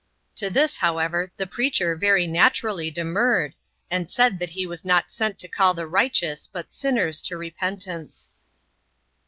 To this, however, the preacher very naturally demurred, and said that he was not sent to call the righteous, but sinners, to repentance.